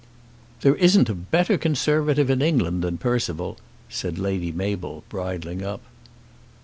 "There isn't a better Conservative in England than Percival," said Lady Mabel, bridling up.